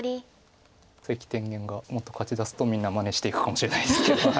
関天元がもっと勝ちだすとみんなまねしていくかもしれないですけど。